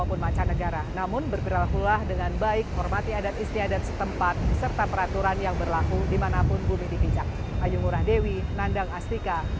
berdasarkan kasus dengan enam puluh wna yang terlibat